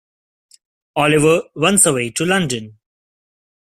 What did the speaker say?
Oliver runs away to London.